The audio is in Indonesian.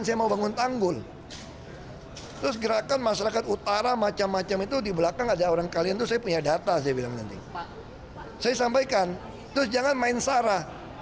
saya sampaikan terus jangan main sarah